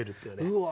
うわ！